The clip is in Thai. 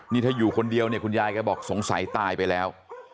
นี่ถ้าอยู่คนเดียวเนี่ยคุณยายแกบอกสงสัยตายไปแล้ว